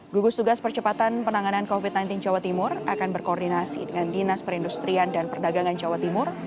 gugus tugas percepatan penanganan covid sembilan belas jawa timur akan berkoordinasi dengan dinas perindustrian dan perdagangan jawa timur